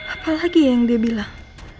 apalagi yang dia bilang